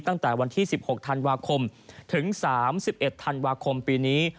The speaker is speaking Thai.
ตั้งแต่วันที่๑๖ธันวาคมถึง๓๑ธันวาคมปีนี้